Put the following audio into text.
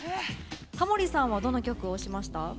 タモリさんはどの曲を押しました？